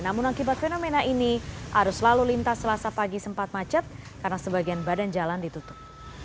namun akibat fenomena ini arus lalu lintas selasa pagi sempat macet karena sebagian badan jalan ditutup